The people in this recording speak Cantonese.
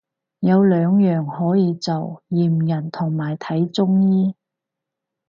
有兩樣可以做，驗孕同埋睇中醫